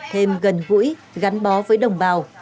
thêm gần gũi gắn bó với đồng bào